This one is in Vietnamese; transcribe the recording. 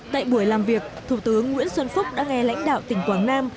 tại buổi làm việc thủ tướng nguyễn xuân phúc đã nghe lãnh đạo tỉnh quảng nam